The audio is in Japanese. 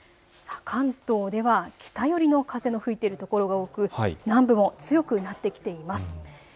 関東では北寄りの風が吹いているところが多く南部も強くなってきています。